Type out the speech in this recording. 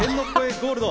ゴールド。